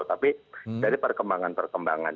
tapi dari perkembangan perkembangan